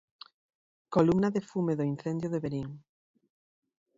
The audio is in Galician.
Columna de fume do incendio de Verín.